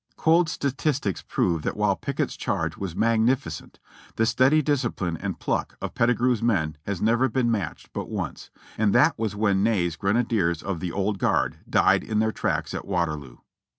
Cold statistics prove that while Pickett's charge was magnifi cent, the steady discipline and pluck of Pettigrew's men has never been matched but once, and that was when Ney's grenadiers of "The Old Guard" died in their tracks at Waterloo.